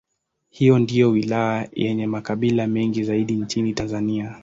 Hii ndiyo wilaya yenye makabila mengi zaidi nchini Tanzania.